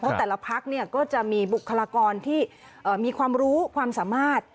เพราะแต่ละพักก็จะมีบุคลากรที่มีความรู้ความสามารถ